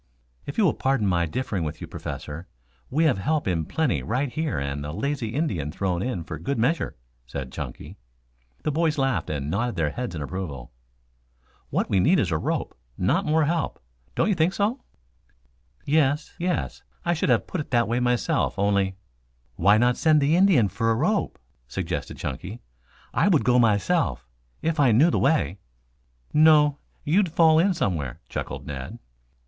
"If you will pardon my differing with you, Professor, we have help in plenty right here and a lazy Indian thrown in for good measure," said Chunky. The boys laughed and nodded their heads in approval. "What we need is a rope, not more help. Don't you think so?" "Yes, yes. I should have put it that way myself only " "Why not send the Indian for a rope?" suggested Chunky. "I would go myself if I knew the way." "No, you'd fall in somewhere," chuckled Ned.